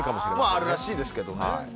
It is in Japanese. あるらしいですけどね。